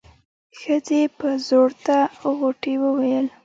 ښځې په زوټه غوټۍ وويل.